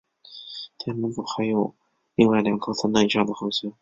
天龙座还有另外两颗三等以上的恒星。